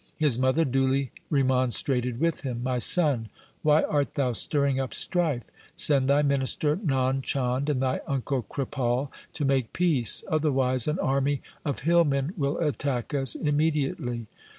His mother duly remon strated with him :' My son, why art thou stirring up strife ? Send thy minister Nand Chand and thy uncle Kripal to make peace, otherwise an army of hillmen will attack us immediately.